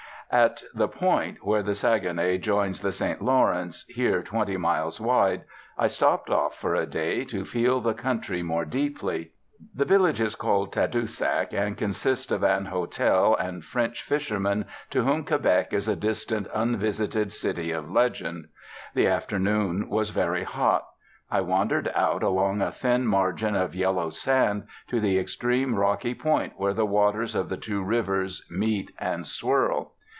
At the point where the Saguenay joins the St Lawrence, here twenty miles wide, I 'stopped off' for a day, to feel the country more deeply. The village is called Tadousac, and consists of an hotel and French fishermen, to whom Quebec is a distant, unvisited city of legend. The afternoon was very hot. I wandered out along a thin margin of yellow sand to the extreme rocky point where the waters of the two rivers meet and swirl.